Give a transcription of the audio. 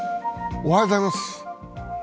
おはようございます。